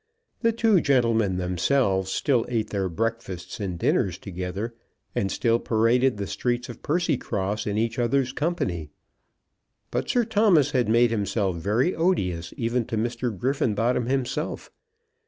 The two gentlemen themselves still eat their breakfasts and dinners together, and still paraded the streets of Percycross in each other's company. But Sir Thomas had made himself very odious even to Mr. Griffenbottom himself.